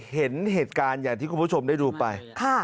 เห็นเหตุการณ์อย่างที่คุณผู้ชมได้ดูไป